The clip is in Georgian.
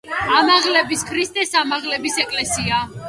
ამაღლების ქრისტეს ამაღლების ეკლესია.